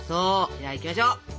じゃあいきましょう！